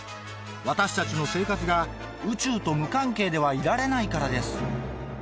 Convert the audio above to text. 私たちの生活が宇宙と無関係ではいられないからです。